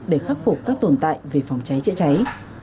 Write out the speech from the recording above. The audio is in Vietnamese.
để khắc phục các tồn tại về phòng cháy chữa cháy